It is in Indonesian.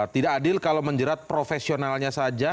tidak adil kalau menjerat profesionalnya saja